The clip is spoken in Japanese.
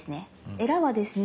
エラはですね